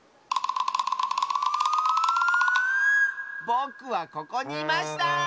ぼくはここにいました！